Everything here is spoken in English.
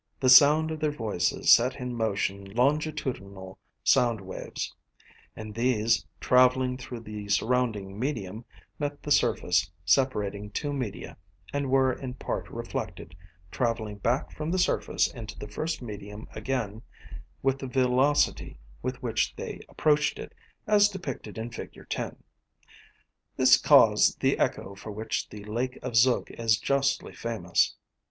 The sound of their voices set in motion longitudinal sound waves, and these, traveling through the surrounding medium, met the surface separating two media and were in part reflected, traveling back from the surface into the first medium again with the velocity with which they approached it, as depicted in Fig. 10. This caused the echo for which the Lake of Zug is justly famous.